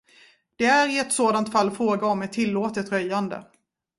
Det är i ett sådant fall fråga om ett tillåtet röjande.